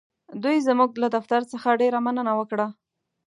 دوی زموږ له دفتر څخه ډېره مننه وکړه.